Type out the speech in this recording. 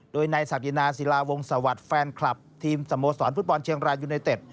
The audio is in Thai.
โดยนายศักยนาศิลาวงศวรรค์แฟนคลับทีมสโมสรฟุตบอลเชียงรายยูไนเต็ด